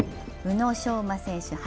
宇野昌磨選手